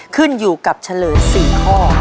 ขึ้นอยู่กับเฉลย๔ข้อ